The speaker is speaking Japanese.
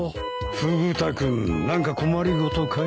フグ田君何か困りごとかい？